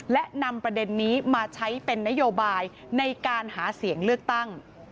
และนำประเด็นนี้มาใช้เป็นนโยบายในการหาเสียงเลือกตั้ง